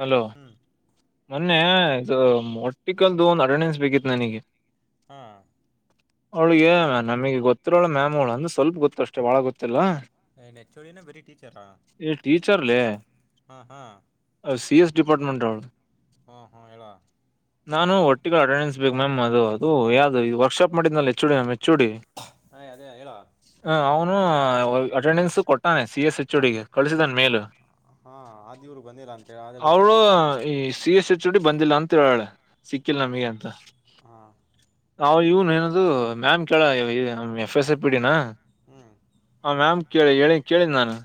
hello ಹ್ಮ್ ಮೊನ್ನೆ ಇ ಮೊಟ್ಟಿಕಲ್ದು ಒಂದು ಅಡೆನೆನ್ಸ್ ಬೇಕಿತ್ತು ನನಗೆ ಹಾ ಅವಳಿಗೆ ನಮಗೆ ಗೊತ್ತಿರೋಳ ಮ್ಯಾಮ್ ಅವಳು ಅಂದ್ರ ಸ್ವಲ್ಪ ಗೊತ್ತು ಅಷ್ಟೇ ಬಾಳ ಗೊತ್ತಿಲ್ಲಾ ನೆಚ್ಚೋಳಿನ ಬರೀ ಟೀಚರಾ ಈ ಹಾ ಹಾ ಅ ಸಿ ಎಸ್ ಡಿಪ್ಟ್ಮೆಂಟ್ ಅವರು ಹಾ ಹಾ ಹೇಳ ನಾನು ಒಟ್ಟಿಗ ಅಟೆಂಡೆನ್ಸ್ ಬೇಕು ಮ್ಯಾಮ್ ಅದು ಹಓ್ ಯ್ದ ಈ ವರ್ಶಾಪ್ ಮಾಡ್ನೆ ಹೆಚ್ಚುಡಿ ಚೂಡಿ ಹಾ ಅದೇ ಹೇಳ ಹ ಅವನು ಅಟೆಂಡೆನ್ಸ್ ಕೊ ಹಾಂ ಸಿ ಎಸ್ ಎಚ್ ಡಿಗೆ ಹಾ ಆದ ಇವ್ರಗ್ ಬಂದಿಲ್ಲ ಅಂತೇಳಿ ಅದೇ ಅವ್ಳು ಗೊತ್ತಾಯ್ತದ ಈ ಸಿ ಎಸ್ ಎಚ್ ಡಿ ಬಂದಿಲ್ಲ ಅಂತ ಹೇಳಳೆ ಸಿಕ್ಕಿಲ್ಲ ಹಾ ನಮಗೆ ಅಂತ ಹಾ ಹಾ್ ಇವನು ಏನದು ಮ್ಯಾಮ್ ಕೇಳ ಎಫ್ ಎಸ್ ಎ ಪಿ ಡಿನ ಹ್ಮ್ ಹ ಮ್ಯಾಮ್ ಕೇಳಿ ಹೇಳಿ ಕೇಳ ನಾನು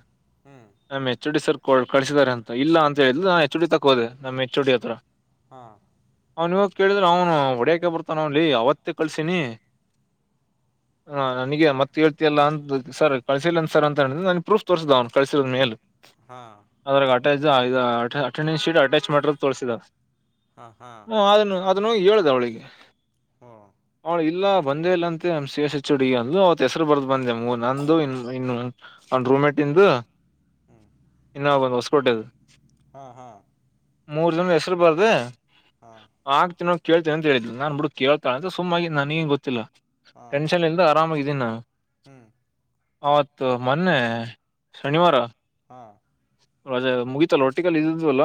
ಹ್ಮ್ ನಮ್ ಹೆಚ್ಚೋಡಿ ಸರ್ ಕಳ್ಸಿದಿದ್ದಾರೆ ಅಂತ ಇಲ್ಲ ಅಂತ ಹೇಳಿದ್ರೆ ನಾ ಹೆಚ್ಚುಡಿ ತಕೋದೆ ನಮ್ ಹೆಚ್ಚೋಡಿ ಹತ್ರರ ಹಾ ಅವನ್ವಾಗ ಕೇಳಿದ್ರೆ ಅವನು ಹೊಡೆಯಕೆ ಬರ್ತಾನಲ್ಲಿ ಅವತ್ತೇ ಕಳ್ಸಿನಿ ಹಾ ನನಗೆ ಮತ್ತತ್ ಹೇಳ್ತಲ್ಲ ಅಂತ ಸರ್ ಕಳ್ಸಿಲ್ಲನ್ ಸರ್ ಅಂತ ಹೇಳ ನನ್ ಪ್ರೂಫ್ ತೋರ್ಸ್ದ ಅವ್ನು ಕ ಮೇಲೆ ಹಾ ಅಟೆಂಡನ್ ಶೀಟ್ ಅಟ್ಯಾಚ್ ಮಾಡ ತೋಿದ ಹಾ ಹಾ ಹೇಳ್ದ ಅವಳಿಗೆ ಹ್ಞೂ ಅವಳ ಇಲ್ಲ ಒಂದೇ ಇಲ್ಲ ಅಂತೆ ಸಿ ಎಸ್ ಎಚ್ ಡಿ ಅ ಅವತ್ ಹೆಸರು ಬರ್ದ್ ಬಂದೆಮಗು ನಂದು ಇನ್ನು ಅವ ರೂಮ ಒಂದು ಹ್ಞೂ ನಾವವು ಬಂದು್ ಹೊಸಸ್ಕ ಕೊಟ್ಟೆದು ಹಾ ಹಾ ಮೂರ್ ಜನ್ದ ಹೆಸರು ಬಾರ್ದ ಹಾ ಆಕ್ತನ ಕೇಳ್ತೀನ ಅಂತ ಹೇಳಿದ್ದ್ ನಾನು ಬಿಟ್ಟು ಕೇಳ್ತಾಳ ಅಂತ ಸುಮ್ಮಾಗಿ ನನಗೇನು ಹಾ ಗೊತ್ತಿಲ್ಲಟೆನ್ ಇಲ್ಲ್ಲ ಅ ಆಾಮಾಗಿದ್ದೀಿ ನಾನು ಹ್ಮ್ ಆತ್ ಮೊನ್ನೆ ಶನಿವಾರ ಹಾ ಅದ ಮುಗಿತಲ್ಲ ಹೊಟ್ಟಿಗೆಲ್ಲಿ ಇದದ್ವಲ್ಲ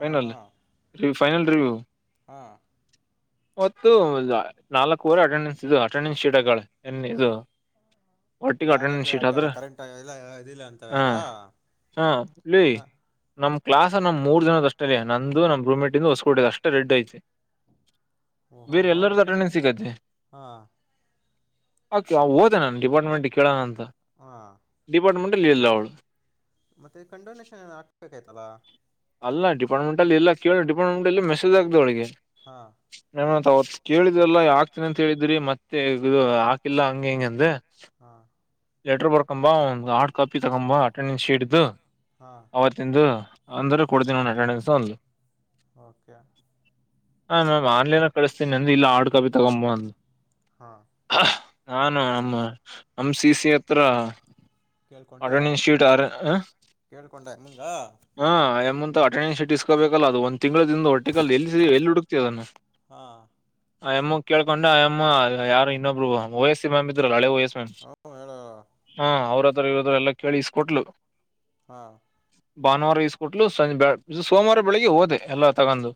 ಹಾ ಹಾ ಫೈನಲ್ ರಿವ್ಯೂ ಹಾ ಒತ್ತು ನಾಲ್ಕವರೆ ಅಟೆಂಡನ್ಸ್ ಇದು ಅಟೆಂಡೆನ್ಸ್ ಶೀಟಗಳು ಎನ್ ಇದು ಒಟ್ಟಿಗೆ ಅಟೆಂಡೆನ್ಸ್ ಅೆ ಶೀಟ್ ಆದ್ರೆ ಕರೆಂಟ್ ಇಲ್ಲ ಇದಿಲ್ಲ ಅಂತವ ಅದಾ ಹ ಹಾ ನಮ್ ಕ್ಲಾಸ್ ನಮ್ ಮೂರ್ ಜನದ ಅಷ್ಟೇ ಅಯ ನಂದು ನಮ್ ರೂಮ್ಟ ಇ ಹೊಸ್ಕ ಕೊಟ್ಟಿದೆ ಅಷ್ಟೇ ರೆಡ್ಡಿ ಐತಿ ಓಹೋ ಬೇರೆ ಹೋ ಎಲ್ಲರಿಗ ಟ್ರನ್ನಿಂಗ್ ಸಿಗತ್ತೆ ಹಾ ಓಕೆ ಓದೆ ನಾನು ಡಿಪಾರ್ಟ್ಮೆಂಟ್ ಕೇಳೋಣ ಅಂತ ಹಾ ಡಿಪಾರ್ಟ್ಮೆಂಟಲ್ಲಿ ಇರಿಲ್ಲ ಅವಳು ಮತ್ತೆ ಕಂಡೋನೇಷನ್ ಏ ಹಾಕ್ಬೇಕಾಯ್ತಲ್ಲಾ ಅಲ್ಲ ಡಿಪಾರ್ಟ್ಮೆಂಟ್ ಅ ಎಲ್ಲ ಕೇಳ ಡಿಾರ್ಟ್ಮೆಂ ಅಲ್ಲಿ ಮಸಜ್ ಆಗಿದೆ ಅವಳಿಗೆ ಹಾ ಹತ್ ಕೇಳಿದ್ರಲ್ಲ ಯಾಕ್ತನ ಅಂತ ಹೇಳಿದ್ರಿ ಮತ್ತೆ ಇದು ಹಾಕಿಲ್ಲ ಹಂಗ ಹೆಂಗ ಅಂದ ಹಾ ಲೆಟರ್ ಬರ್ಕೊಂಬ ಒಂದು ಹಾರ್ಡ್ ಕಾಪಿ ತಗೊಂಬ ಅಟೆಂಡೆನ್ಸ್ ಶೀಟ್್ ಹಾ ಅವತ್ತಂದು ಅಂದ್ರೆ ಕೊಡ್ತನ ಒನ್ ಅಟೆಂಡೆನ್ಸ್ ಒಂದು ಓಕೆ ಹಾ ಮ್ಯಾಮ್ ಆನ್ಲೈನ್ ಕಳಿಸತೀನಿ ನಂದು ಇಲ್ಲ ಆರ್ಡ್ ಕಾಪಿ ತಗೊಂಬ ಅಂದು ಹಾ ನಾನು ಅಮ್ಮ ನಮ್ ಸಿ ಸಿ ಹತ್ರ ಅ ಕೇಳ್ಕೊಂಡೆ ಇಟಿಟ್ಯಟ್ ಆ ಹ ಕೇಳ್ಕೊಂಡೆ ನಿಂಗ ಹ ಎಂತ ಟೈನ್ ಸಿಟಸ್ೋಬೇಕಲ್ಲ ಅದು ಒ ತಿಂಗಳದಿಂದ ಹೊಟ್ಟೆಗಾಲ ಎಲ್ಲಿ ಎಲ್ಲಿ ಹುಡುಕ್ತಿವಿದನ್ನು ಹಾ ಆ ಎಮ ಕೇಳ್ಕೊಂಡು ಅಯಮ್ಮ ಯಾರ ಇನ್ನೊಬ್ರು ವಯಸ್ಸ ಮ್ಯಾಮ್ ಇದ್ರಲ್ಲ ಹಳೆ ವಯಸ್ ಮ್ಯಾಮ್ ಹ್ಮ ಹೇಳು ಹಾ ಅವ್ರತ್ರ ಇರೋದ್ರ ಎಲ್ಲ ಕೇಳ ಇಸ್ಕೊಟ್ಲು ಹಾ ಭಾನುವಾರ ಈಸ್ಕೊಟ್ಲು ಸಂಜ್ ಬೆ ಸೋಮವಾರ ಬೆಳಿಗ್ಗೆ ಹೋದೆ ಎಲ್ಲ ತಗೊಂಡು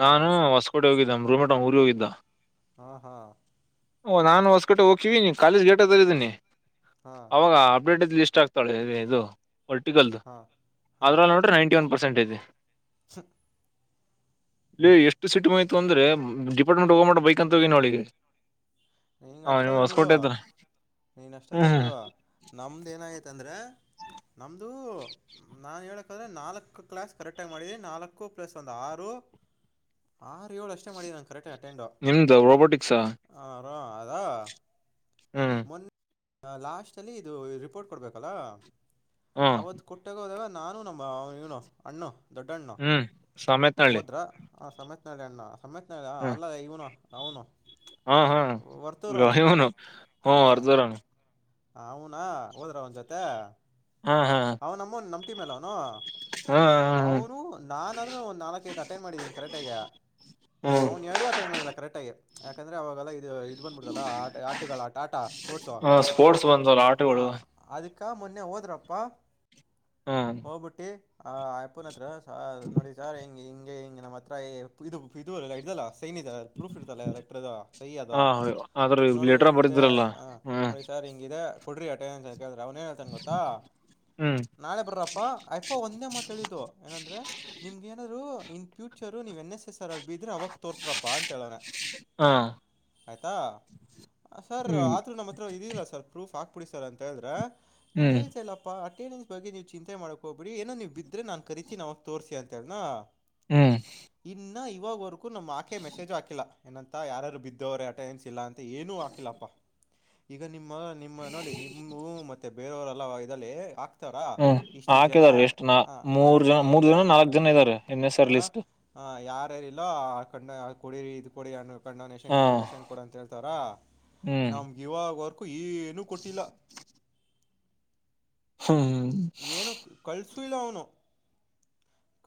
ಹಾ ನಾನು ಹೊಸಕೋಟೆ ಹೋಗಿದ್ದೆ ರೂಮೇಟ ಊರಿಗೆ ಹೋಗಿದ್ದ ಹ್ಮ ಹಾ ಓ ನಾನು ಹೊಸಕಟ್ಟೆ ಹೋಗ್ತೀಿವಿ ನೀ ಕಾಲೇಜ್ ಗೇಟ ಇದಿದ್ದೀನಿ ಹಾ ಅವಾಗ ಅಪ್ಡೇಟ್ ಲಿಸ್ಟ್ ಆಗ್ತಾಳೆ ಇದು ಪರ್ಟಿಕಲ್ ಹಾ ಅದ್ರಲ್ಲಿ ನೋಡ್ರೆ ನೈಂಟಿ ಒನ್ ಪರ್ಸೆಂಟ್ ಇದೆ ಚೆ ಇಲ್ಲಿ ಎಷ್ಟು ಸೀಟು ಮಾಡಯ್ತು ಅಂದ್ರೆ ಡಿಪಾರ್ಟ್ಮೆಂಟ್ ಹೋಗೋ ಮಾಡ ಬೈಕ್ ಅಂತ ಹೋಗನ ಅವಳಿಗೆ ನೀಂಗ ಅಷ್ಟಾದ್ರೆ ಬಿಡು ನೀನ್ ಅಷ್ಟಾದ್ರೆ ಹ್ಮ್ ಬಿಡು ನಮ್ದ್ ಏನ ಆಯ್ತಂದ್ರ ನಮ್ದು ನಾನ್ ಹೇಳಕ್ಂದ್ರೆ ನಾಲ್ಕ್ು ಕ್ಲಾಸ್ ಕರೆಕ್ಟ್ ಆಗಿ ಮಾಡಿದಿ ನಾಲ್ಕು ಪ್ಲಸ್ ಒಂದ್ ಆರು ಆರು ಏಳು ಅಷ್ಟೇ ಮಾಡಿದಂ ನಿಮ್ದು ರೋಬೊಟಿಕ್ಸಾ ಅದಾ ಮೊನ್ನೆ ಲಾಸ್ಟ್ ಅಲ್ಲಿ ಇದು ರಿಪೋರ್ಟ್ ಕೊಡ್ಬೇಕಲ್ಲ ಹ್ಮ್ ಅವತ್ತು ಕೊಟ್ಟಾಗೋದಾಗ ನಾನು ನ ಅವವನು ಅಣ್ಣು ದೊಡ್ಡಣ್ಣ ಹ್ಮ್ ಸಮೇತನಹಳ್ಳಿ ಹೋದ್ರ ಆ ಸಮೇತ್ನಳೆ ಅಣ್ಣ ಸಮೇತನಾಳ ಹ್ಮ್ ಅಲ್ಲ ಇವನು ಹೌನು ಹಾ ಹಾ ರನು ಹ ಹಾ ಅರ್ಧರನು ಅವನ ಹೋದ್ರ ಅವನ ಜೊತೆ ಹಾ ಹಾ ಅವನಮ್ಮನ್ ನಮ್ ಟೀಮಲ್ಲ ಅವನು ಹಾ ಹಾ ಅವರು ನಾನ್ಾದ್ರೂ ಒಂದ್ ನಾಲ್ಕೈದು ಅಟೆಂಡ್ ಮಾಡಿದ್ದೀಿ ಕರೆಕ್ಟ್ ಆಗ ಹ್ಮ್ ಅವ್ನ್ ಎರಡೂ ಅಟೆಂಡ್ ಮಾಡಿಲ್ಲ ಕರೆಕ್ಟ್ ಆಗಿ ಯಾಕಂದ್ರೆ ಅವವಾಗೆಲ್ಲ ಇದು ಇ ಬಂದ್ಬಿಡದಲ್ಲ ಆ ಆಟಗಳ ಆಟ ಸ್ಪೋರ್ಟ್ಸ ಹ್ಮ್ ಸ್ಪೋರ್ಟ್ಸ್ ಬಂದವಲ್ಲ ಹ ಆಟಗಳು ಅದಕ್ಕೆ ಈ ಮೊನ್ನೆ ಹೋದ್ರಪ್ಪ ಹಾ ಹೋಗ್ಬಿಟ್ಟಿ ಹ ಅಪ್ಪುನ ಹತ್ರ ಸ ನೋಡಿ ಸರ್ ಹಿಂ ಹಿಂಗೆ ಹಿಂ ನಮ್ಮ ಹತ್ರ ಇದು ಇಲ್ಲ ಇ್ದಲ್ಲ ಸೈನ್ಿದೆ ಅ ಪ್ರೂಫ್ ಇತಲ್ಲ ಅ ಲಕ್ಟ್ರದದು ಹ ಆದ್ರೂ ಲಲೆಟ್ರ ಬರಿದ್ರಲ್ಲ ಹ್ಮ್ ನೋಡಿ ಸರ್ ಹಿಂಗಿದೆ ಕೊಡ್ರಿ ಆಟೆನ್ಾಿದ್ರ ಅವನ ಏನತಾನನ್ ಗೊತ್ತಾ ಹ್ಮ್ ನಾಳೆ ಬರ್ರಪ್ಪಾ ಅಯಪ್ಪಾ ಒಂದೇ ಮಾತ್ ಹೇಳಿದು ಏನಂದ್ರೆ ನಿಮ್ಗೆ ಏನಾದ್ರು ಇನ್ ಫ್ಯೂಚರು ನೀವು ಎನ್ ಎಸ್ ಎಸ್ ಆರ್ ಅಲ್ಲಿ ಬಿದ್ರರೆ ಅವಾಗ ತೋರ್ತ್ರಪ್ಪಾ ಅಂತೇಳೋಣ ಹ ಆಯ್ತಾ ಸರ್ ಹ್ಮ್ ಆದರೂ ನಮ್ಮ ಹತ್ರ ಇದಿಲ್ಲ ಸರ್ ಪ್ರೂಫ್ ಹಾಕ್ಿಬಿಡಿ ಸರ್ ಅಂತ ಹೇಳಿದ್ರೆ ನಾನನ್ ಹ್ಮ್ ಹೇಳ್ತಲ್ಲಪ್ಪ ಅಂಟನೆನ್ಸ್ ಬಗ್ಗೆ ನೀವು ಚಿಂತೆ ಮಾಡಕಕ್ ಹ್ಿಡಿ ಏೋ ನೀವು ಬಿದ್ರೆ ನನ್ ಕರೀತಿಾವಾಗ ತೋರಿಸಿ ಅಂತ ಹೇಳನಾ ಹ್ಮ್ ಇ ಇವಾಗವರೆಗೂ ನಮ್ ಆಕೆ ಮೆಸೇಜ್ ಹಾಕಿಲ್ಲ ಏನಂತ ಯಾರು ಬಿದ್ದವರೆ ಅಟೆಂಡೆನ್ಸ್ ಇಲ್ಲ ಅಂತ ಏನೂ ಹಾಕಿಲ್ಲಪ್ಪ ಈಗ ನಿಮ್ಮ ನಿಮ್ಮ ನೋಡಿಿ ನಿಮ್ಮ ಮತ್ತೆ ಬೇರೆಯವರ ಅಲ್ಲಲ್ಲಿ ರ ಹ್ಮ್ ಇಷ್ಟುಷ್ಟು ಜನ ಹಾಕಿದಾರೆ ಎಷ್ಟು ನಾ ಮೂರ್ ಆಟಏ ಜನ ಮೂರ್ ಇದೆ ಜನ ನಾಲ್ಕ್ ಜನ ಇದ್ದಾರೆ ಎನ್ ಎಸ್ ಆರ್ ಲಿಸ್ಟ್ ಆ ಯಾರ ಇಲ್ಲ ಕ ಕುಡಡಿರಿ ಇ್ ಕುಡಿ ಕ ಡೊನೇಷನ್ ಹ ಗಿನ್ಡೊನೇಷನ್ ಕೊಡ ಅಂತ ಹೇಳ್ತಾರ ಹ್ಮ್ ನಮ್ಗೆ ಇವಾಗವರ್ಕೂ ಏನುೂ ಕೊಟ್ಟಿಲ್ಲ ಹ್ಮ್ ಏನು ಕಳ್ಸೂ ಇಲ್ಲ ಅವನು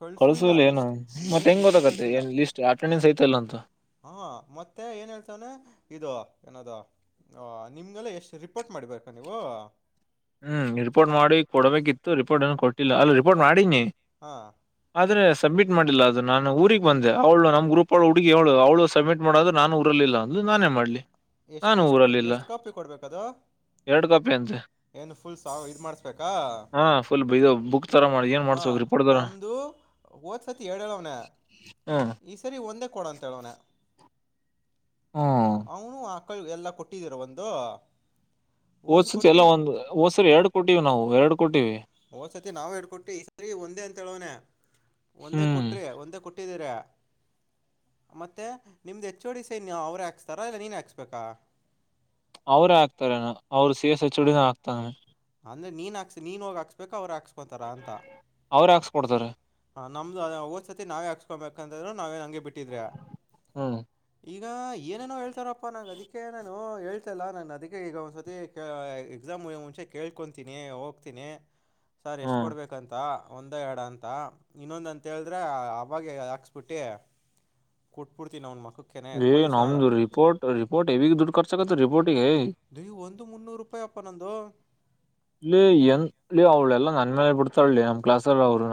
ಕಳಿಸೂ ಇಲ್ಲ ಕಳ್ಸಿಲ್ಲ ಏನನು ಲಿಸ್ಟ್ ಮತ್ತೆ ಏನು ಹೆಂಗ್ ಲಿಸ್ಟು ಗೊತ್ತಕತ್ತೆ ಏನ್ ಲಿಸ್ಟ್ ಅಟೆಂಡೆನ್ಸ್ ಐತಲ್ಲ ಅಂತೂ ಹಾ ಮತ್ತೆ ಏನ್ ಹೇಳ್ತವನ ಇ ಏನದ ನಿಮ್ಗೆಲ್ಲ ಎಷ್ಟು ರಿಪೋರ್ಟ್ ಮಾಡಿಬೇಕಾ ನೀವು ಹ್ಮ್ ರಿಪೋರ್ಟ್ ಮಾಡಿ ಕೊಡಬೇಕಿತ್ತು ರಿಪೋರ್ಟ್ ಏನು ಕೊಟ್ಟಿಲ್ಲ ಅಲ್ ರಿಪೋರ್ಟ್ ಮಾಡೀಿನಿ ಹಾ ಆದ್ರೆ ಸಬ್ಮಿಟ್ ಮಾಡಿಲ್ಲ ಅದು ನಾನ ಊರಿಗೆ ಬಂದೆ ಅವಳ ನಮ್ಮ ಗ್ರೂಪ್ ಹುಗಿ ಅವಳು ಅವಳು ಸಬ್ಮಿಟ್ ಮಾಡದ್ ನಾನು ಉಊರಲಿಲ್ಲ ಅ ನಾನೇ ಮಾಡ್ಲಿ ಎಷ್ಟು ನಾನು ಎಷ್ಟು ಊರಲ್ಲಿಲ್ಲ ಎಷ್ಟು ಕಾಪಿ ಕೊಡ್ಬೇಕದ ಎರಡ್ ಕಾಪಿ ಅಂತೆ ಏನ್ ಹಾ ಫುಲ್ದು ಬುಕ್ ಥರ ಮಾಡಿ ಏನು ಮಾಡ್ಿಸಬೇಕಕ್ು ರಿಪೋರ್ಟ್್ದಾರ ಓದ ಸತಿ ಡ ಎಳವಣ ಹ್ಮ ಒಂದೇ ಕೊಡ ಅಂತ ಹೇಳೋನ ಹಾ ಮಕ್ಕಳ ಎಲ್ಲ ಕೊಟ್ಟಿದ್ದೀರ ಒಂದು ಒಂದ್ ಒಸತಿ ಎಲ್ಲ ಕೊಟ್ಟಿ ಒಂದು ಹೊಸತ್ ಎರಡು ಕೊಟ್ಟಿವವಿ್ ನಾವು ಎರಡು ಹಓ್ಸತಿ ನಾವವು ಹೇಡ್ಕೊಟ್ಟು ಈ ಸರಿ ಒಂದೇ ಅಂತೇಳವನನೆ ಒಂದೇ ಹ್ಮ್ ಕೊಟ್ರಿ ಒಂದೇ ಕೊಟ್ಟಿದ್ದೀರ ಮತ್ತೆ ನಿಮ್ದು ಹೆಚ್ಚ ಡಿ ಸೈನ್ ಅವರು ಹಾಕ್ಸ್ತಾರ ಇಲ್ಲ ನೀನು ಹಾಕ್ಸ್ಬೇಕಾ ಅವ್ರೇ ಆಗ್ತಾರನ ಅವ್ರು ಸಿ ಎಸ್ ಚುಡಿನ ಆಗ್ತಾನಾನ ಅಂದ್ರ ನೀನ್ ಹಾಕ್ ನೀನ್ ಹಾಕ್ಬೇಕ ಅವರು ಹಕ್ಸ್ ಅವ್ರ ಹಾಕ್ಸ್ ಕೊಡ್ತಾರ ನಮ್ದು ಹಓದ್ತಿ ನಾವೇ ಹಾಕ್ಸ್ಕೊಬೇಕಂತ್ರು ನಾವೇ ನಂಗೆ ಬಿಟ್ಟಿದ್ರೆ ಈಗ ಹ್ಮ್ ಈಗ ಏನೇನೋ ಹೇಳ್ತಾರಪ್ಪ ನ ಅದಕ್ಕೆ ನಾನು ಹೇಳ್ತಲ್ಲ ನಾನನ್ ಅದಕ್ಕೆ ಈಗ ಒಂದ್ಸತಿ ಎಕ್ಸಾಮಂ ಮುಂಚೆ ಕೇಳ್ಕೊತೀನಿ ಹೋಗ್ತೀನಿ ಸರ್ ಎಷ್ಟು ಹ್ಮ್ ಕೊಡ್ಬೇಕಂತ ಒಂದ ಎಡ ಅಂತ ಇನ್ನೊಂದ ಅಂತ ಹೇಳಿದ್ರೆ ಅವಾಗ ಹಾಕ್ಸ್ಬಿಟ್ಟಿ ಕುಟ್ಬಿಡ್ತೀನಿ ಅವನ್ ಮಕ್ಕ ಏನುಮದು ರ ರಿಪೋರ್ಟ್ ರಿಪೋರ್ಟ್ ದೂಡ್ಸಕ ರಿಪೋರ್ಟ್ ದಯು ಒಂದು ಮುನ್ನೂರು ರೂಪಾಯಿ ಅಪ್ಪ ನಂದು ಲ ಎನ್ ಲ ಅವಳ ಎಲ್ಲಾ ನಂದನ್ ಮೇಲೆ ಬಿಡ್ತಾಳಿ ನಮ್ಮ್ಲಸ್ ಅವರು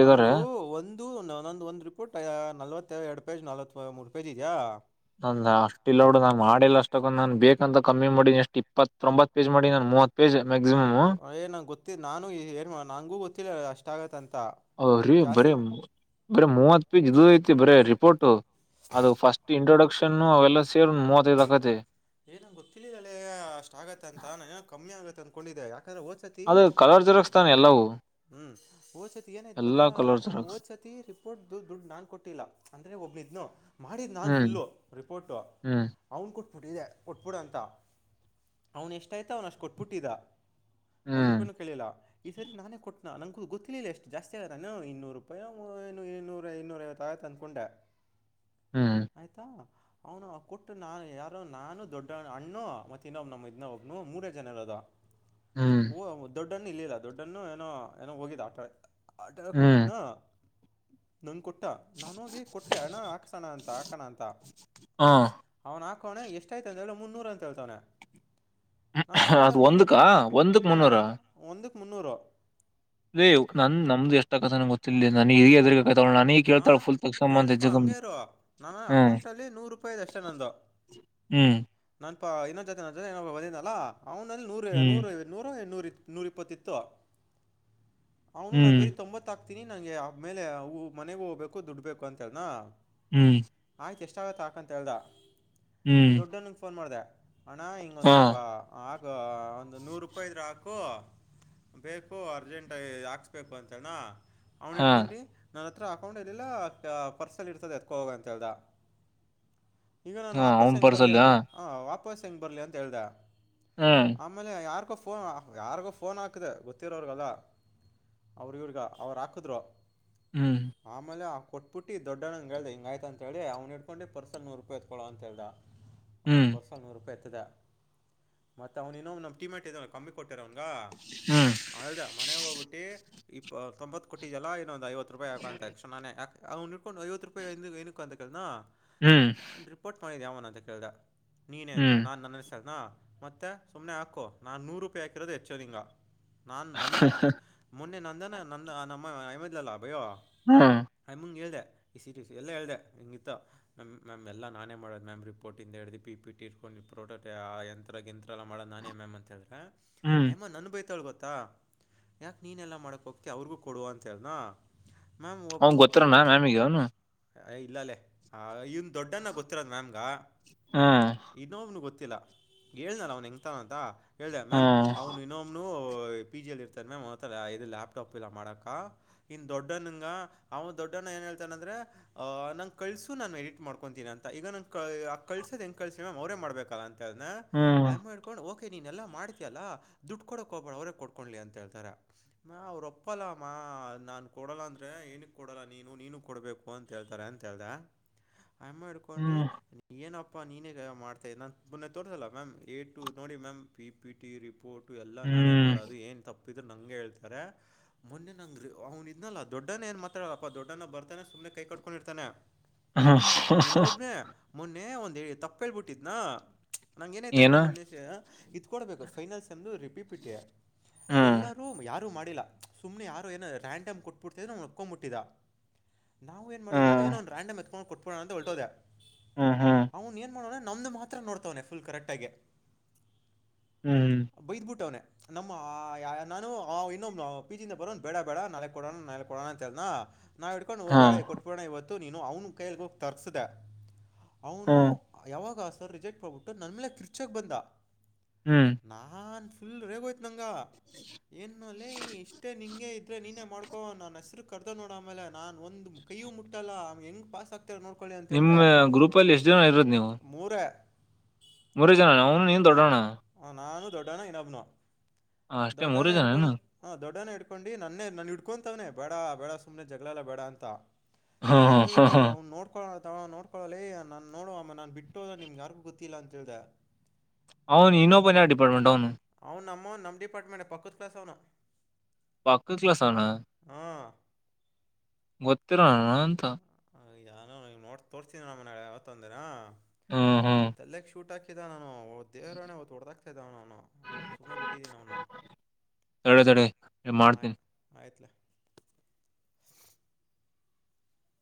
ನಂದು ಒಂದು ನಂದು ಒಂದು ರಿಪೋರ್ಟ್ ನಲ್ವತ್ತ ಎರಡು ಪೇಜ್ ನಲ್ವತ್ತು ಇ ಮೂರು ರೂಪಾಯ್ದ ಇದೆಯಾ ನ ಅಷ್ಟ ಇಲ್ಲ ನೋಡು ನಾನನ್ ಮಾಡಿಲ್ಲ ಅಷ್ಟಕ್ಕೊ ನಾನನ್ ಬೇಕಂತ ಕಮ್ಮಿ ಮಾಡಿ ಎಷ್ಟ್ ಇಪ್ಪತ್ತ ತೊಂಬತ್ತು ಪೇಜ್ ಮಾಡಿ ನಾನನ್ ಮೂವತ್ತು ಪಜ ಮಕ್ಸಿಮಮು ಮ ನಾನು ಏ ಮಾಡ ನಂಗೂ ಗೊತ್ತಿಲ್ಲ ಅಷ್ಟ ಆಗತ್ತಂತೆ ಹ ರೀ ಬರೀ ಬರೀ ಮೂವತ್ ಪೇಜ್ ಇದ ಐತಿ ಬರ ರಿಪೋರ್ಟ್ ಅದು ಫಸ್ಟ್ ಇಂಟ್ರೊಡಕ್ಷನ್ ಅವೆಲ್ಲ ಸೇರ್ ಮೂವತ್ತೈದ್ ಆಕತಿ ಏನ ಗೊತ್ತಿಲ್ಲಿದಳೆ ಅಷ್ಟ ಆಗತ್ತ ಅಂತ ನಾನ ಏನ ಕಮ್ಮಿ ಆಗತ್ತೆ ಅಂದಕೊಂಡಿದ್ದೆ ಯಾಕ ಅದ ಕಲರ್ ಜೆರಾಕ್ಸ್ ತಾನ ಎಲ್ಲವು ಹ್ಮ್ ಹಓದ್ ಸತಿ ಏನಾಯ್ ಎಲ್ಲಾ ಗೊತ್ತಾ ಕಲರ್ ಜೆರಾಕ್ಸ್ ಹಓದ್ ಸತಿ ರಿಪೋರ್ಟ್ ಡ್ ದುಡ್ಡು ನಾನ್ ಕೊಟ್ಟಿಲ್ಲ ಅಂದ್ರೆ ಒಬ್ಬ ಇದ ಮಾಡಿದ್ ನಾನ್ ಹ್ಮ್ ಫುಲ್ಲ ರಿಪೋರ್ಟ್ ಹ್ಮ್ ಅವ್ನ್ ಕೊಟ್ಬಿಟ್ಟಿದೆ ಕೊಟ್ಬಿಡ ಅಂತ ಅವ್ನ್ ಎಷ್ಟಯ್ತ ಅವ್ನ ಅಷ್ಟು ಕೊಟ್ಬಿಟ್ಟಿದ ಒಂದ್ ಹ್ಮ್ ರೂಪಾಯಿನೂ ಕೇಳಿಲ್ಲ ಈ ಸರಿ ನಾನೇ ಕೊಟ್ಟ ನಾ ನಂನ್ಗೂ ಗೊತ್ತಿಲ್ಲಷ್ಟ ಜಸ್ತಿ ಆಗತಾನು ಇನ್ನೂರು ರೂಪಾಯಿ ಇೂರ ಇನ್ನೂರ ವತ್ತು ಆಯತ ಅಂದ್ಕೊಂಡೆ ಹ್ಮ್ ಆಯ್ತಾ ಅವನು ಕೊಟ್ಟ ನಾನು ಯಾರು ನಾನು ದೊಡ್ಡ ಅಣ್ಣು ಮತ್ ಇನ್ನೊಬ್ ನಮ್ ಇದನ್ನ ಒಬ್ನು ಮೂರೇ ಜನ ಇರೋದ ಹ್ಮ್ ಓ ದೊಡ್ಡನ್ನು ಇಲ್ಲಿಲ್ಲ ದೊಡ್ಡನ್ನು ಏನೋ ಏನೋ ಹೋಗಿದ ಆಟ ಆಟರಕ್ ಹ್ಮ್ ಹೋಗಿತ್ನಾ ನಂ ಕೊಟ್ಟ ಊಟ್ಟ ನಾನ ಹೋಗಿ ಕೊಟ್ಟೆ ಅಣ ಹಾಕ್ಸೋಣ ಅಂತ ಹಾಕಣ ಅಂತ ಹ ಹಾಕೋಣೆ ಎಷ್ಟಾಯಯ್ತ ಹೇಳು ಮುನ್ನೂರ ಅಂತ ಹೇಳ್ತೋಣೆ ನನ್ನ ಅದ್ ಅಕೌಂಟಲ್ಲಿ ನೂರು ಒಂದಕ್ಕ ರೂಪಾಯಿ ಒಂದಕ್ ಹ್ಮ ಒಂದಕ್ ಮುನ್ನೂರು ದೇ ನನ್ ನಮ್ದು ಎಷ್ಟಕತಾನ ಗೊತ್ತಿಲ್ಲ ನನ್ ಹೀಗದ್ರ ಆಯ್ತಳ ನಾನೀಗ್ ಹಾಂ ಕೇಳ್ತಾಳೆ ಫುಲ್ ತಕ್ಷ ಸಂಬಂಧ ಕೇಳಿಸ್ಕೊ ಜಗಮಿ ಹಂಗೆ ಇರು ನನ್ನ ಹ್ಮ ಅಕೌಂಟಲ್ಲಿ ನೂರು ರೂಪಾಯಿದು ಅಷ್ಟೇ ಹ್ಮ್ ಇನ್ನೊ ಜತೆನ ಬದ ಅಲ್ಲ ಅವ್ಲ್ಲಿ ನೂ ಹ್ಮ್ ನೂರು ನೂರು ನೂರು ಇ ನೂರ ಇಪ್ಪತ್ತ ಇತ್ತು ಅವನು ನಾನ್ ಹ್ಮ್ ಬರೀ ತೊಂಬತ್ ಹಾಕ್ತೀನಿ ನಂಗೆ ಆ ಮೇಲೆ ಮನೆಗ್ ಹೋಗ್ಬೇಕು ದುಡ್ಬೇಬೇಕು ಅಂತ ಹೇಳನಾ ಹ್ಮ್ ಆಯ್ತು ಎಷ್ಟಾಗುತ್ತೆ ಹಾಕಂತ ಹೇಳ್ದ ಹ್ಮ್ ದೊಡ್ಡನಂಗೆ ಫೋನ್ ಮಾಡಿದೆ ಅಣ ಹಿಂಗೊಂದ್ ಹಾ ಸ್ವಲ್ಪ ಆಗ ಒಂದು ನೂರು ರೂಪಾಯಿ ಇದ್ರ ಹಾಕು ಬೇಕು ಅರ್ಜೆಂಟ್ ಹಾಕ್ಸ್ಬೇಕು ಅಂತನಾ ಅವ್ನ ಹಾ ಇಡ್ಕೊಂಡಿ ನನ್ನ ಹತ್ರ ಅಕೌಂಟ್ ಇಲ್ಲಿಲ್ಲ ಪರ್ಸಲ್ಲಿ ಇರ್ತದೆ ಎತ್ಕೊೋಗ ಅಂತ ಹೇಳ್ದ ಈಗ ನಾನು ಹಾ ವಾಪಸ್ ಅವ್ನ್ ಹೆಂಗ ಬರ್ಲಿ ಪರ್ಸಲ್ ಹಾ ಅಂತ ಹ ವಾಪಸ್ ಹೆಂಗ ಬರ್ಲಿ ಅಂತ ಹೇಳ್ದ ಹ್ಮ್ ಆಮೇಲೆ ಯಾರು ಯೋ ಫೋನ್ ಯಾರಿಗೋ ಫೋನ್ ಹಾಕ್ದೆ ಗೊತ್ತಿರೋ್ರಗಲ್ಲ ಅವ್ರ ಇವ್ರಗ ಅವರು ಹಾಕಿದ್ರು ಹ್ಮ್ ಆಮೇಲೆ ಕೊಟ್ಬಿಟ್ಟು ದೊಡ್ಡ ಹಂ ಹೇಳೆಗಯ್ತ ಅಂತಿ ಅವ್ನು ಹಡ್ಕೊಂಡು ಪರ್ಸ ನೂರು ರೂಯಿತ್ಕೊಳ ಅಂತ ಹೇಳೆ ಅವನ್ ಹ್ಮ್ ಪರ್ಸಲ್ ನೂರು ರೂಪಾಯಿ ಇತದೆ ಮತ್ತ ಅವ್ನ್ ಇನ್ನೊ ನಮ್ ಟೀಮೆಂಟ್ ಇ ಕಮ್ಮಿ ಕೊಟ್ಟ ತರಾಳ್ವ ಹ್ಮ್ ಅದ ಮನೆಗೆ ಹೋಗ್ಬಿಟ್ಟಿ ಇ ತೊಂಬತ್ ಕೊಟ್ಟಿದಲ್ಲ ಇನ್ನೊಂದು್ ಐವತ್ತು ರೂಾಯಿಾಕ ಅಂತ ಎಕ್ಷಾ ನಾನೇ ಯಕ ಅವ್ ಇಟ್ಕೊಂಡು ಐತ್ತು ರೂಪಾಯಿಏ ಏಕ್ಕೆ ಅಂತೇಳಲ್ದನಾ ಹ್ಮ್ ರಿಪೋರ್ಟ್ ಮಾಡಿದ್ದ ಯಾವನ ಅಂತ ಕೇಳ್ದ ನೀನೇ ಅಂತ ಹ್ಮ್ ನಾನ್ ನನ್ನ ಸರಿ ನಾ ಮತ್ತೆ ಸುಮ್ನೆ ಹಾಕು ನಾನ್ ನೂರು ರೂಪಾಯಿ ಹಾಕಿರೋದು ಹೆಚ್ಚು ನಿಂಗ ನಾನ್ ನಂದ ಮೊನ್ನೆ ನಂದನ ನಂದ ನಮ್ಮ ಅಐಮದ್ಲಲ್ಲಾ ಬಯೋ ಹ್ಮ್ ಆಯಮಂಗ್ ಹೇಳಿದೆ ಇ ಸಿಟ ಎಲ್ಲ ಹೇಳ್ದೆ ಹಿಂಗಿತ್ತ ನ ಮ್ಯಾಮ್ ಎಾ ನಾನೇ ಮಾಡೋ್ ಮ್ಯಾಮ್ ರಿಪೋರ್ಟ್ ಇಂದ ಎ ಹೇಳ್ದಿ ಪಿ ಪಿಟಿ ಇರ್ಕೊಂಡು ನೀವು ಪ್ರಾಡಕ್ಟ್ ಎಂಥರಗೆಂತ್ರ ಎಲ್ಲ ಮಾಡೋದು ನಾನೇ ಮ್ಯಾಮ್ ಅಂತ ಹೇಳಿದ್ರೆ ಹ್ಮ್ ಹಯಮ್ಮ ನನ್ ಬೈತಾಳ ಗೊತ್ತಾ ಯಾಕ ನೀನೆ ಎಲ್ಲಾ ಮಾಡಕ್ ಹೋಗ್ತ ಅವ್ರಿಗೂ ಕೊಡುವ ಅಂತ ಹೇಳನಾ ಅವ ಗೊತ್ತಾರಣ ಮ್ಯಾಮಿಗೆ ಅವನು ಇಲ್ಲ ಲ್ಲೇ ಈ ದೊಡ್ಡನ್ನ ಗೊತ್ತಿರೋದು ಮ್ಯಾಮ್ಗ ಹ್ಮ ಇನ್ನೊಬ್ನು ಗೊತ್ತ [unintelligible] ಹೇಳನ ಲಾ ಅವನ್ ಇತಾಂತ ಹೇಳ್ದ ಮ್ಯಾಮ್ ಅವನು ಇನ್ನೊ್ನು ಪಿ ಜಿಲ್ಲಿ ಇರ್ತಾರ ಮ ಮತ್ತ ಇದು ಲ್ಯಾಪ್ಟಾಪ್ ಎಲ್ಲ ಮಾಡಕ ಇನ್ ದೊಡ್ಡನಂಗ ಅವ್ನ ದೊಡ್ಡಣ ಏನ್ ಹೇಳ್ತಾನ ಅಂದ್ರ ಹಾ ನನಗೂ ಕಳ್ಸು ನಾನು ಎಡಿಟ್ ಮಾಡ್ಕೊತೀನಿ ಅಂತ ಈಗ ನ ಕಳ್ಸದ್ ಹೆಂಗ್ ಕಳ್ಸ ಮ್ ಅವರೇ ಮಾಡ್ಬೇಕಲ್ಲ ಅಂತ ಹೇಳ್ ಹ್ಮ್ ಹಾ ಯಾಮ್ ಇಡುಕೋಡು ನೀನೆ ಎಲ್ಲಾ ಮಾಡ್ತಯಲ್ಲಾ ದುಡ್ಡು ಕೊಡಕ್ ಹೋಗಬ ಅವರೇ ಕೊಡ್ಕೊಂಡ್ಲಿ ಅಂತ ಹೇಳ್ತಾರ ಅವ್ರು ಒಪ್ಪಲ್ಲ ಮಾ ನಾನ್ ಕೊಡಲ್ಲ ಅಂದ್ರೆ ಏನಕ್ ಕೊಡಲ್ಲ ನೀನು ನೀನು ಕೊಡ್ಬೇಕು ಅಂತ ಹೇಳ್ತಾರೆ ಅಂತ ಹೇಳ್ದ ಆಯಮ್ಮ ಹಿಡ್ಕೊಂಡಿ ಹ್ಮ್ ಏನ್ ಅಪ್ಪ ಅಪ್ಪಾ ನೀನೇ ಮಾಡ್ತಾ ನಾನು ಮೊನ್ನೆ ತೋರಿಸೋಲ್ಲ ಮ್ಯಾಮ್ ಎ ಟು ನೋಡಿ ma'am P P T report ಎಲ್ಲಾ ನಾನೇ ಹ್ಮ್ ಮಾಡೋದು ಏನ್ ತಪ್ಪಿದ ನಂಗೆ ಹೇಳ್ತಾರೆ ಮೊನ್ನೆ ನಂಗ ಅವ್ನ ಇದ್ನಲ್ಲ ದೊಡ್ಡನ ಏನ್ ಮಾತಾಡಲ್ಲಪ್ಪಾೊಡ್ಡನ ಬರ್ತಾನೆ ಸು್ನೆೈ ಕಟ್ಕೊಂಡಿರ್ತಾನೆ ಹ್ಮ್ ಹ್ಮ್ ಅವನನ್ನೊಬ್ರ ಮೊನ್ನೆ ಒಂದ್ ತಪ್ಪೇಳ್ ಬಿಟ್ಟಿದನಾ ನಾಗ ಏನಾಯ್ತ ಅಂದ್ರೆ ಏನು ಮುನ್ನೇಶ ಇದ ಕೊಡ್ಬೇಕು ಫೈನಲ್ಸ್ ಎಮ್ದು ರಿಪಿಪಿಟ ಹ್ಮ್ ಎಲ್ಲಾರೂ ಯಾರು ಮಾಡಿಲ್ಲ ಸುಮ್ನೆ ಯಾರು ಏನ ರ್ಯಾಂಡಮ್ ಕೊಟ್ಬಿಡ್ತಿದೆ ನ ಓಕ್ಕೊಂಬಿಟ್ಟಿದ ನಾವು ಏನ್ ಮಾಡ ಗೊತ್ತ ಹ್ಮ್ ಏನ ರಂಡ್ ಎತ್ಕೊಂಡ ಕೋಟುಬೇಡನ ಅಂತ ಹೊಟೋದ ಹ್ಮ್ ಹ್ಮ್ ಅವ್ನು ಏನ್ ನಮ್ದು ಮಾತ್ರ ನೋಡ್ತವನ ಫುಲ್ ಕರೆಕ್ಟ್ ಆಗಿ ಹ್ಮ್ ಬೈದ್ಬಿಟ್ಟವನೆ ನಮ್ಮ ನಾನು ಇನ್ನೊ ಪಿಜಿ ಇಂದ ಬರೋನು ಬೇಡ ಬೇಡ ನಾಲ್ಕ್ ಕೊಡೋಣ ನಾ ಕೊಡೋಣ ಅಂತ ನಾವು ಇಡ್ಕೊಂಡುವು ಹಾ ಬೇಡ ಕೊಬೋಣ ಇವತ್ತು ನೀನು ಅವನು ಕೈಯಲ್ಲಿ ಹೋಗಿ ತರಿಸದೆ ಅವನು ಹ್ಮ್ ಯಾವಾಗ ಆಸ ರಿಜೆಕ್ಟ್ ಮಾಡಬಿಟ್ಟು ನನ್ ಮೇಲೆ ಕಿರ್ಚಕ್ ಬಂದ ಹ್ಮ್ ನಾನ್ ಫುಲ್ ರೇಗೋಯ್ತು ನಂಗ ಏನು ಅಲ್ಲ ಇಷ್ಟೇ ನಿಂಗೆ ನೀನೇ ಮಾಡ್ಕೊ ನನ್ ಹೆಸರು ಕರ್ದ ನೋಡ ಆಮೇಲೆ ನಾ ಒಂದು ಕೈಯೂ ಮುಟ್ಟಲ್ಲ ಹೆಂಗ್ ಪಾಸ್ ಆತ ನಿಮ್ಮ ಗ್ರೂಪ ಅಲ್ಲಿ ಎಷ್ಟು ಜನ ಇರದು ನೀವು ಮೂರೇ ಮುರು ಜನಾನ ಅವನು ನೀನು ದೊಡ್ಡಣ್ಣ ದೊಡ್ಡನ ನಬ್ನು ಅಷ್ಟೇ ದೊಡ್ಡನ ಮೂರೇ ಜನ ಏನು ಇಡ್ಕೊಂಡು ಹ ದೊಡ್ಡನ ಇಡ್ಕೊಂಡು ಹೇ ನನ್ನೇ ನನ್ ಇಡ್ಕೊಂತವನನೆ ಬೇಡ ಬೇಡ ಸುಮ್ನೆ ಜಗಳಲ್ಲ ಬೇಡ ಅಂತ ನಾನ್ ಹೇಳ್ಬಿಟ್ಟೆ ಅವ್ನ್ ನೋಡ್ಕೊ ನೋಡ್ಕೊಳಲ್ಲ ನಾ ನೋಡ ನಾನ್ ಬಿಟ್ಟುೋದ ನಿಮ್ಗೆ ಯಾರ್ಗೂ ಗೊತ್ತ ತಿಲಂಂತದ ಅಂತ ಹೇಳಿದೆ ಅವೌನು ಇನ್ನೋಪನ್ಯ ಡಿಪಾರ್ಟ್ಮೆಂಟ್ ಅವನು ಹ್ಮು ನಮ್ ಡಿಪಾರ್ಟ್ಮಂಟೆ ಪಕ್ಕದ್ ಕ್ಲಾಸ್ನವನು ಪಕ್ಕದ್ ಕ್ಲಾಸ್ ಅವುನ ಗೊತ್ತಿರೋಣರಾಂತ ನೋಡ್ ತೋ ರ್ಸುತಿನಿ ನಗಾ ನಮ್ಮ ಯಾವತ್ತಾ ಒಂದಿನ ಹ್ಮ್ ಹ್ಮ್ ಮಾತೆ [unintelligible] ಸೂಟ್ ಹಾಕಿದ್ದೆ ನಾನು ದೇವರಾಣೆ ಅವತ್ ಹೊಡದಾಕ್ತಿದ್ದೆ ಅವನು ಸುಮ್ನೆ ಬಿಟ್ಟಿದಿನವನ್ನ ತಡೆ ತಡೆ [inaudible] ಮಾಡ್ತೀನಿ ಆಯ್ತು ಆಯ್ತ್ರಿ